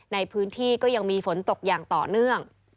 ในพื้นที่ก็ยังมีฝนตกอย่างต่อเนื่อง